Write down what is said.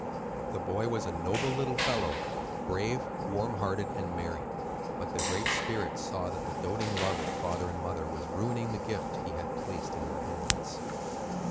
The boy was a noble little fellow; brave, warm hearted, and merry. But the Great Spirit saw that the doating love of father and mother was ruining the gift He had placed in their hands.